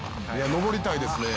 「登りたいですね」